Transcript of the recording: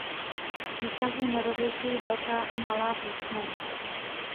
Příkazy nerozlišují velká a malá písmena.